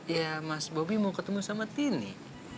ya mas bobi mau ketemu sama tini